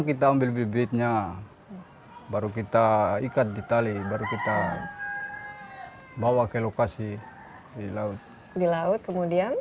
kita ambil bibitnya baru kita ikat di tali baru kita bawa ke lokasi di laut di laut kemudian